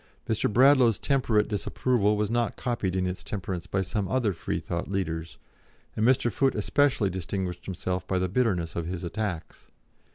Mr. Bradlaugh's temperate disapproval was not copied in its temperance by some other Freethought leaders, and Mr. Foote especially distinguished himself by the bitterness of his attacks.